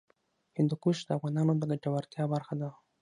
هندوکش د افغانانو د ګټورتیا برخه ده.